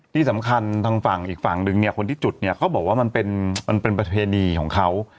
ที่สำคัญทางฝั่งอีกฝั่งนึงเนี่ยคนที่จุดเนี่ยเขาบอกว่ามันเป็นประเพณีของเขา